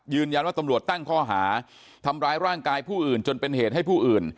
ตำรวจตั้งข้อหาทำร้ายร่างกายผู้อื่นจนเป็นเหตุให้ผู้อื่น